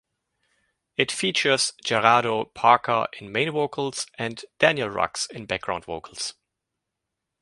It features Gerardo Parker in main vocals and Daniel Rucks in background vocals.